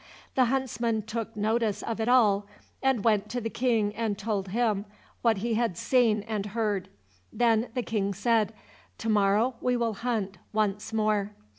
The huntsman took notice of it all, and went to the King and told him what he had seen and heard. Then the King said, "To morrow we will hunt once more."